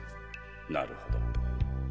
なるほど。